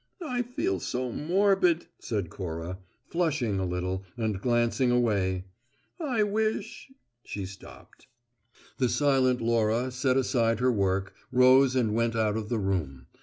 "I feel so morbid," said Cora, flushing a little and glancing away. "I wish " She stopped. The silent Laura set aside her work, rose and went out of the room.